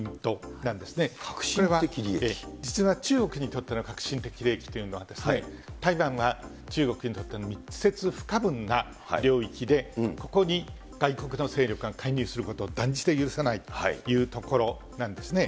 実は中国にとっての核心的利益というのは、台湾は中国にとっての密接不可分な領域で、ここに外国の勢力が介入することを断じて許さないというところなんですね。